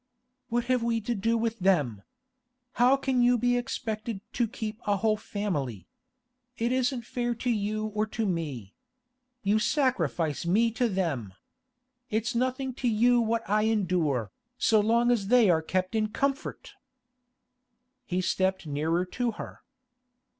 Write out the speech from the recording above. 'What have we to do with them? How can you be expected to keep a whole family? It isn't fair to you or to me. You sacrifice me to them. It's nothing to you what I endure, so long as they are kept in comfort!' He stepped nearer to her.